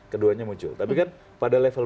keduanya muncul tapi kan pada level